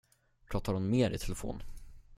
Pratade hon mer i telefon?